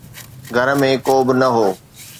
گهر ۾ ڪو به نه هو.